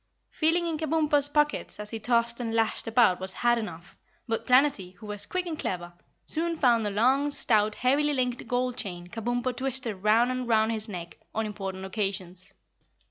Feeling in Kabumpo's pockets as he tossed and lashed about was hard enough, but Planetty, who was quick and clever, soon found a long, stout, heavily linked gold chain Kabumpo twisted round and round his neck on important occasions.